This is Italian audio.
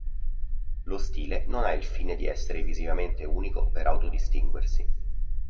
Lo stile non ha il fine di essere visivamente unico per auto distinguersi.